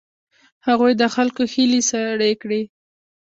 هغوی د خلکو هیلې سړې کړې.